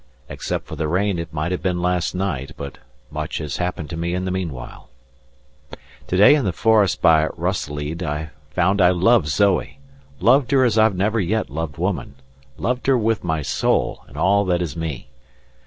Except for the rain it might have been last night, but much has happened to me in the meanwhile. To day in the forest by Ruysslede I found that I loved Zoe, loved her as I have never yet loved woman, loved her with my soul and all that is me.